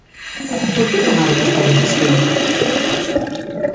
Por que tomaron esta decisión?